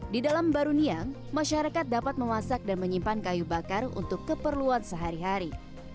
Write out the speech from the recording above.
di dalam baruniang masyarakat dapat memasak dan menyimpan kayu bakar untuk keperluan sehari hari